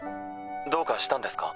どうかしたんですか？